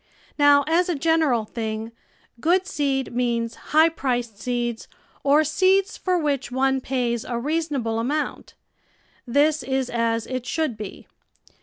Now, as a general thing, good seed means high priced seeds or seeds for M hich one pays a reason able amount. This is at it should be.